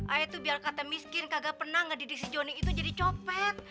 ayah tuh biar kata miskin kagak pernah ngedidik si jonny itu jadi nyopet